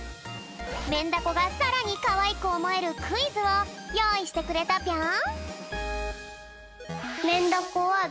メンダコがさらにかわいくおもえるクイズをよういしてくれたぴょん。